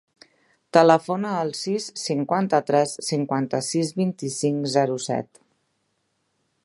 Telefona al sis, cinquanta-tres, cinquanta-sis, vint-i-cinc, zero, set.